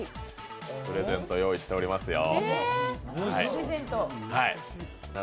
プレゼント用意しておりますよ